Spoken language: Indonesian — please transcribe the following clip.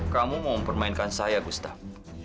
kamu mau mempermainkan saya gustaf